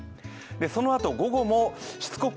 そのあと午後もしつこく